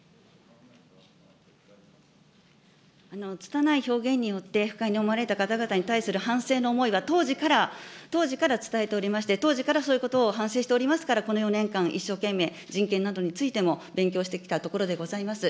つたない表現によって不快に思われた方々に対する反省の思いは当時から、当時から伝えておりまして、当時からそういうことを反省しておりますから、この４年間、一生懸命、人権などについても、勉強してきたところでございます。